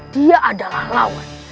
dia adalah lawan